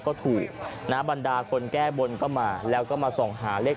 คุณผู้ชมไปฟังเสียงกันหน่อยว่าเค้าทำอะไรกันบ้างครับ